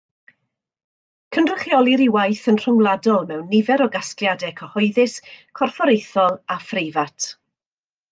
Cynrychiolir ei waith yn rhyngwladol mewn nifer o gasgliadau cyhoeddus, corfforaethol a phreifat.